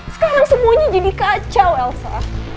sekarang semuanya jadi kacau elsa